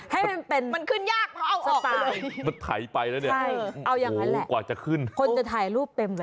ให้มันเป็นสไตล์